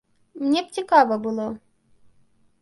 Мне б цікава было.